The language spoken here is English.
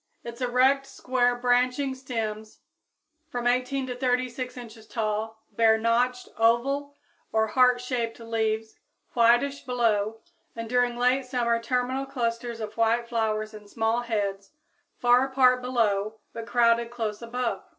_ Its erect, square, branching stems, from 18 to 36 inches tall, bear notched oval or heartshaped leaves, whitish below, and during late summer terminal clusters of white flowers in small heads, far apart below, but crowded close above.